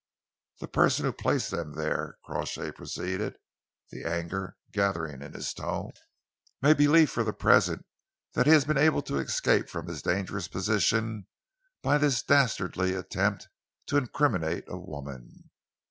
"The person who placed them there," Crawshay proceeded, the anger gathering in his tone, "may believe for the present that he has been able to escape from his dangerous position by this dastardly attempt to incriminate a woman.